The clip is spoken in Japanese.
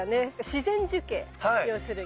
自然樹形要するに。